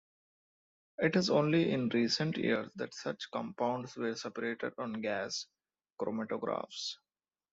It is only in recent years that such compounds were separated on gas chromatographs.